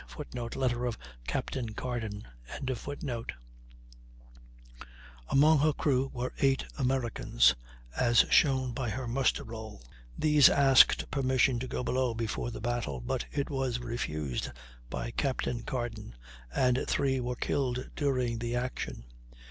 [Footnote: Letter of Captain Carden.] Among her crew were eight Americans (as shown by her muster roll); these asked permission to go below before the battle, but it was refused by Captain Carden, and three were killed during the action.